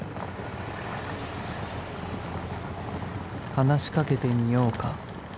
［話し掛けてみようか？］